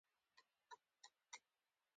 محمد واصل وصال له شمشاد راډیو.